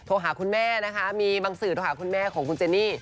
หาคุณแม่นะคะมีบางสื่อโทรหาคุณแม่ของคุณเจนี่